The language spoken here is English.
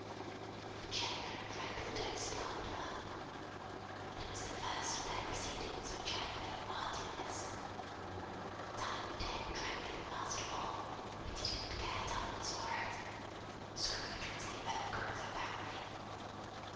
The children drank the toast after her. It was the first of their proceedings which had no heartiness. Tiny Tim drank it last of all, but he didn't care twopence for it. Scrooge was the Ogre of the family.